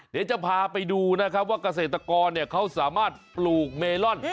เดี๋ยวจะพาไปดูนะครับว่าเกษตรกรเขาสามารถปลูกเมลอน